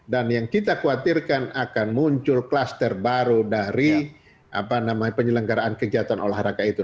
dan yang kita khawatirkan akan muncul klaster baru dari penyelenggaraan kegiatan olahraga itu